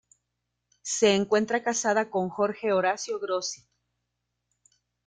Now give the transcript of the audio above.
Se encuentra casada con Jorge Horacio Grossi.